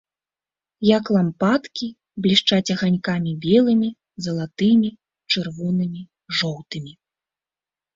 Як лампадкі, блішчаць аганькамі белымі, залатымі, чырвонымі, жоўтымі.